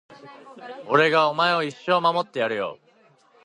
俺がお前を一生守ってやるよ